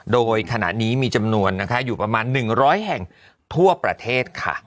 โดยขณะนี้มีจำนวนนะคะอยู่ประมาณ๑๐๐แห่งทั่วประเทศค่ะ